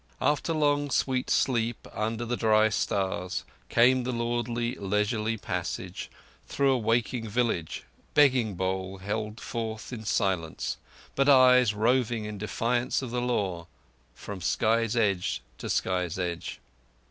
After long, sweet sleep under the dry stars came the lordly, leisurely passage through a waking village—begging bowl held forth in silence, but eyes roving in defiance of the Law from sky's edge to sky's edge.